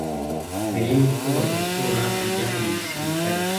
mbere y’uko Bagosora ajya mu gisirikare